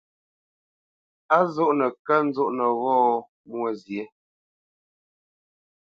Á zoʼnə kə̂ nzóʼnə wô Mwôkɔ̌?